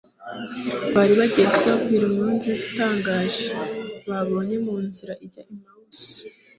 Bari bagiye kubabwira inkuru nziza itangaje baboncye mu nzira ijya Emausi.